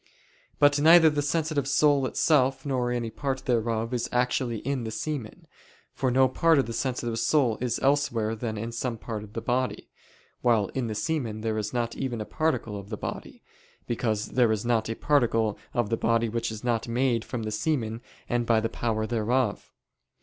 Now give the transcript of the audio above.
But neither the sensitive soul itself nor any part thereof is actually in the semen, for no part of the sensitive soul is elsewhere than in some part of the body; while in the semen there is not even a particle of the body, because there is not a particle of the body which is not made from the semen and by the power thereof.